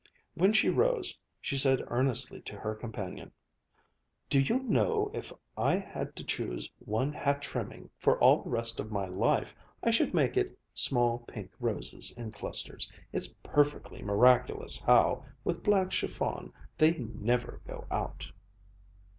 When she rose, she said earnestly to her companion, "Do you know if I had to choose one hat trimming for all the rest of my life, I should make it small pink roses in clusters. It's perfectly miraculous how, with black chiffon, they never go out!"